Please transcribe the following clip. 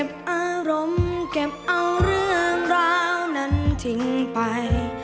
อารมณ์เก็บเอาเรื่องราวนั้นทิ้งไป